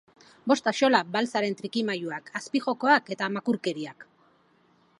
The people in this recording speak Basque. Bost axola Balzaren trikimailuak, azpijokoak eta makurkeriak!